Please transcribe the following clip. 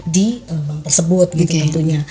di bank tersebut gitu tentunya